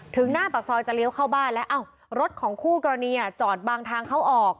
หน้าปากซอยจะเลี้ยวเข้าบ้านแล้วรถของคู่กรณีจอดบางทางเข้าออก